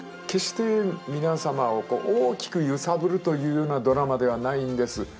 決して皆様を大きく揺さぶるというようなドラマではないんです。